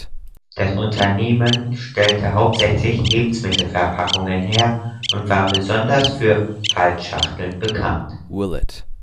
Das Unternehmen stellte hauptsächlich Lebensmittelverpackungen her und war besonders für Faltschachteln bekannt.